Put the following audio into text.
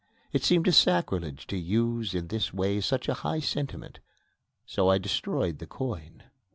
It seemed a sacrilege to use in this way such a high sentiment, so I destroyed the coin.